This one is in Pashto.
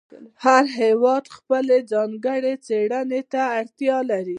هر هېواد خپلې ځانګړې څېړنې ته اړتیا لري.